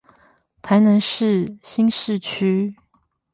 台南市新市區